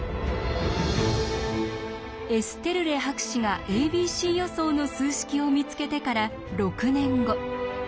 エステルレ博士が「ａｂｃ予想」の数式を見つけてから６年後。